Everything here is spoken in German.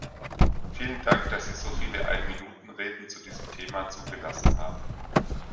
Vielen Dank, dass Sie so viele Ein-Minuten-Reden zu diesem Thema zugelassen haben.